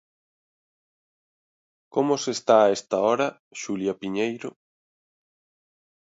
Como se está a esta hora, Xulia Piñeiro?